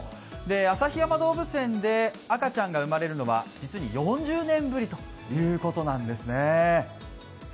旭山動物園で赤ちゃんが産まれるのは実に４０年ぶりということなんですね。